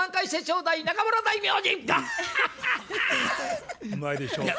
うまいでしょ？